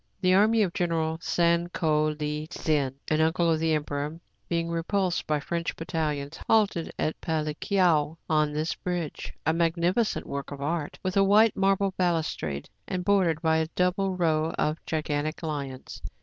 The army of Gen. San Ko Li Tzin, an uncle of the emperor, being repulsed by French battalions, halted at Palikao on this bridge, — a magnificent work of art,, with a white marble balustrade, and bordered by a double row of gigan tic liona.